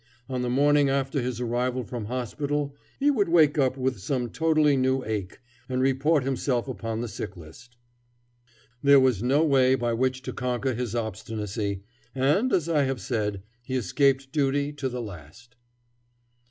On the morning after his arrival from hospital he would wake up with some totally new ache, and report himself upon the sick list. There was no way by which to conquer his obstinacy, and, as I have said, he escaped duty to the last.